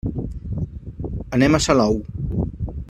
Anem a Salou.